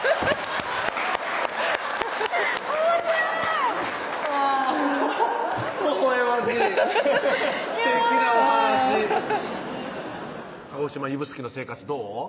おもしろいはぁほほえましいすてきなお話鹿児島・指宿の生活どう？